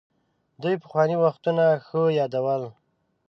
دوی پخواني وختونه ښه يادول.